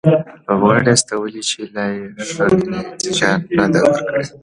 لوبغاړي استولي چې لا یې ښه نتیجه نه ده ورکړې